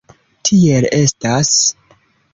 Tiel estas.